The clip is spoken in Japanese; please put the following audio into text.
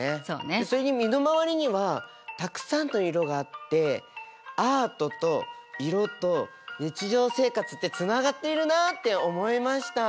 それに身の回りにはたくさんの色があってアートと色と日常生活ってつながっているなあって思いました。